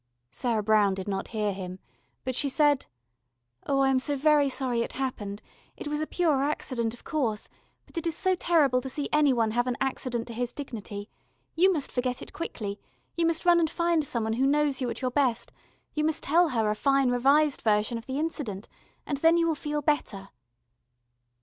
Sarah Brown did not hear him, but she said: "Oh, I am so very sorry it happened. It was a pure accident, of course, but it is so terrible to see any one have an accident to his dignity. You must forget it quickly, you must run and find someone who knows you at your best, you must tell her a fine revised version of the incident, and then you will feel better."